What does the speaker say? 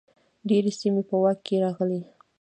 ډیرې سیمې په واک کې راغلې.